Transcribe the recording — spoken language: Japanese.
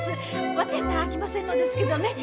わてやったらあきませんのですけどね